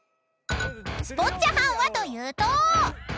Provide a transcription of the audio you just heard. ［スポッチャ班はというと］